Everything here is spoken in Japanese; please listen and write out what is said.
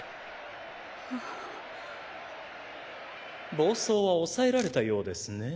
暴走は抑えられたようですね。